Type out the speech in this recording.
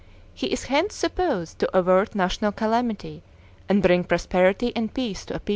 He is hence supposed to avert national calamity, and bring prosperity and peace to a people.